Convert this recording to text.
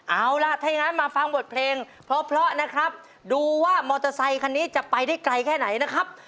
เอาล่ะถ้าอย่างนั้นมาฟังบทเพลงเพราะนะครับดูว่ามอเตอร์ไซคันนี้จะไปได้ไกลแค่ไหนนะครับ